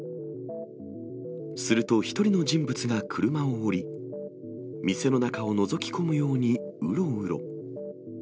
すると、１人の人物が車を降り、店の中をのぞき込むように、うろうろ。